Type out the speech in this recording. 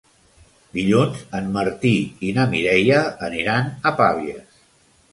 Dilluns en Martí i na Mireia aniran a Pavies.